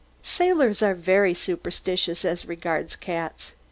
Sailors are very superstitious as regards cats.